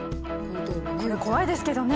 これ怖いですけどね